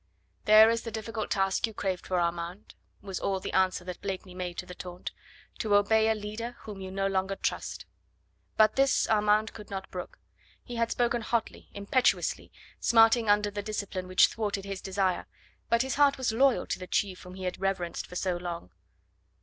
"There is the difficult task you craved for, Armand," was all the answer that Blakeney made to the taunt "to obey a leader whom you no longer trust." But this Armand could not brook. He had spoken hotly, impetuously, smarting under the discipline which thwarted his desire, but his heart was loyal to the chief whom he had reverenced for so long.